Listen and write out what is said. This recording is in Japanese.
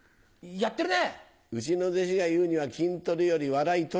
やってるね！